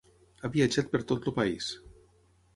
Ha viatjat per tot el país.